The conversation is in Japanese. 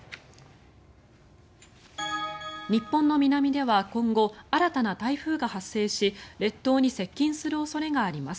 日本の南では今後、新たな台風が発生し列島に接近する恐れがあります。